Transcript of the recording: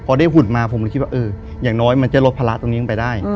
พอได้หุ่นมาผมก็คิดว่าอย่างน้อยมันจะลดภาระตรงนี้ลงไปได้